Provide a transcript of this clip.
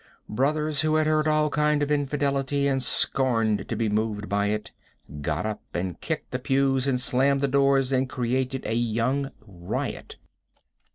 Brothers who had heard all kinds of infidelity and scorned to be moved by it, got up, and kicked the pews, and slammed the doors, and created a young riot.